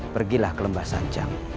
pergilah ke lembah sanjang